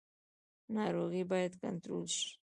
ناروغي باید کنټرول شي